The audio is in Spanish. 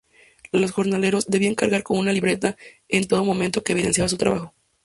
Los jornaleros debían cargar con una libreta en todo momento que evidenciaba su trabajo.